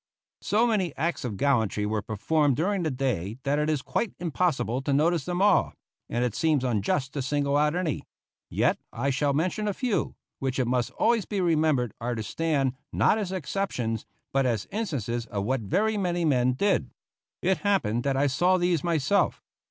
So many acts of gallantry were performed during the day that it is quite impossible to notice them all, and it seems unjust to single out any; yet I shall mention a few, which it must always be remembered are to stand, not as exceptions, but as instances of what very many men did. It happened that I saw these myself.